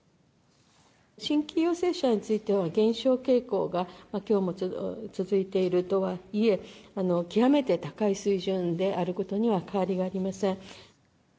新規陽性者については、減少傾向がきょうも続いているとはいえ、極めて高い水準であることには変わりはありません。